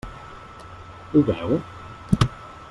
Ho veu?